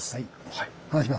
はい。